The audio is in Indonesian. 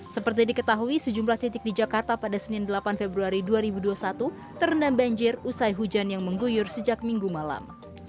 seperti diketahui sejumlah titik di jakarta pada senin delapan februari dua ribu dua puluh satu terendam banjir usai hujan yang mengguyur sejak minggu malam